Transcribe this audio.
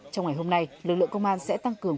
trong ngày hôm nay lực lượng công an sẽ tăng cường